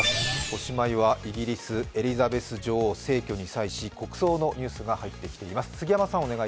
おしまいはイギリスエリザベス女王逝去にさいし、国葬のニュースが入ってきています。